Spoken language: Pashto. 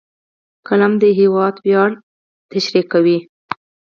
قلم د هېواد ویاړ بیانوي